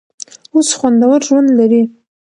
اوس خوندور ژوند لري.